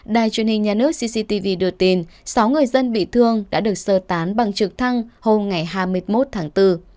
đài truyền hình nhà nước cctv đưa tin sáu người dân bị thương đã được sơ tán bằng trực thăng hôm hai mươi một tháng bốn